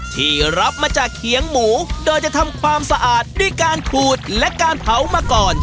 ที่รับมาจากเขียงหมูโดยจะทำความสะอาดด้วยการขูดและการเผามาก่อน